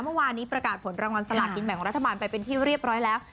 เมื่อวานนี้ประกาศผลรางวัลสลากินแบ่งรัฐบาลไปเป็นที่เรียบร้อยแล้ว